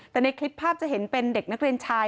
แต่ในคลิปภาพจะเห็นเป็นเด็กนักเรียนชาย